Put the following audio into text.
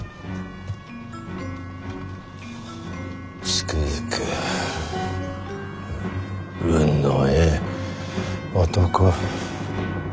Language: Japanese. つくづく運のええ男。